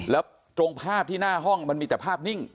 แล้วตรงภาพที่หน้าห้องมันมีแต่ภาพนิ่ง